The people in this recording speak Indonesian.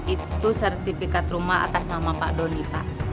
itu sertifikat rumah atas nama pak doni pak